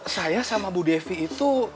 saya sama bu devi itu